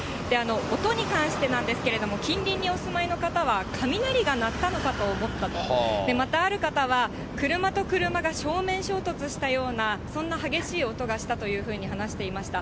音に関してなんですけれども、近隣にお住まいの方は、雷が鳴ったのかと思ったと、またある方は、車と車が正面衝突したような、そんな激しい音がしたと話していました。